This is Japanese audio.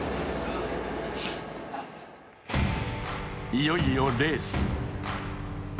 いよいよレース。